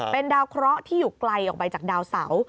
เป็นดาวเคราะห์ที่อยู่ไกลออกไปจากดาวเสา